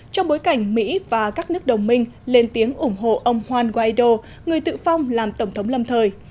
trong bối cảnh mỹ và các nước đồng minh lên tiếng ủng hộ ông juan guaido người tự phong làm tổng thống lâm thời